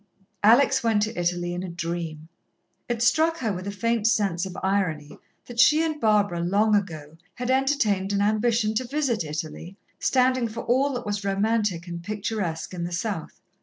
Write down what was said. Alex went to Italy in a dream. It struck her with a faint sense of irony that she and Barbara, long ago, had entertained an ambition to visit Italy, standing for all that was romantic and picturesque in the South.